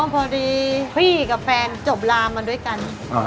พอดีพี่กับแฟนจบลามมาด้วยกัน